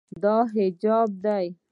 دا حجاب ده.